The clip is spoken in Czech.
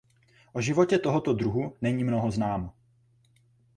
O životě tohoto druhu není mnoho známo.